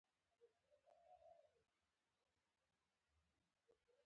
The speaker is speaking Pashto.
زما مور هره ورځ شیدې خوري.